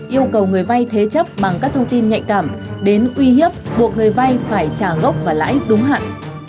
yêu cầu người vai thế chấp bằng các thông tin nhạy cảm đến uy hiếp buộc người vai phải trả gốc và lãi đúng hẳn